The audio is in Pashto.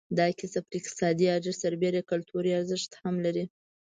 دا کسب پر اقتصادي ارزښت سربېره کلتوري ارزښت هم لري.